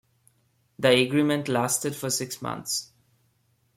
The agreement lasted for six months.